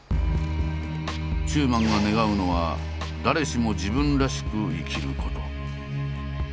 中馬が願うのは誰しも自分らしく生きること。